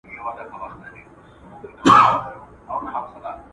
د جنګ منځ ته به ور ګډ لکه زمری سو .